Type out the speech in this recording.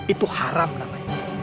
itu haram namanya